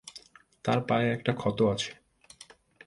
তার পায়ে একটা ক্ষত আছে।